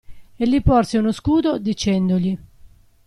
E gli porse uno scudo, dicendogli.